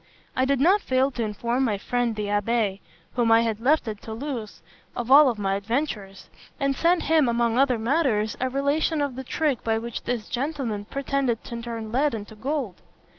I did not fail to inform my friend the abbé, whom I had left at Toulouse, of all my adventures; and sent him, among other matters, a relation of the trick by which this gentleman pretended to turn lead into gold.